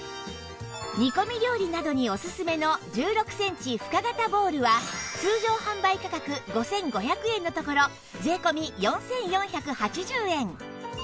煮込み料理などにオススメの１６センチ深型ボウルは通常販売価格５５００円のところ税込４４８０円